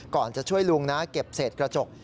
ก่อนจะช่วยลุงนะเก็บเศษกระจก